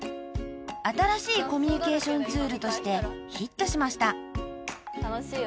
［新しいコミュニケーションツールとしてヒットしました］